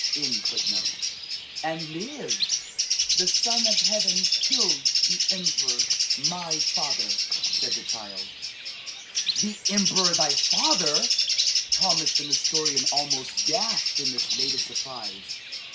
"The Son of Heaven killed the emperor, my father," said the child. "The emperor thy father!" Thomas the Nestorian almost gasped in this latest surprise.